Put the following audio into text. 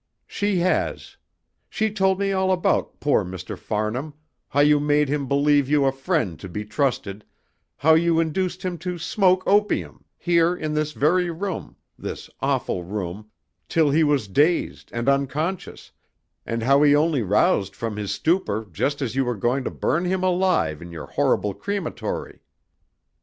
"She has. She told me all about poor Mr. Farnham, how you made him believe you a friend to be trusted, how you induced him to smoke opium here in this very room this awful room till he was dazed and unconscious, and how he only roused from his stupor just as you were going to burn him alive in your horrible crematory.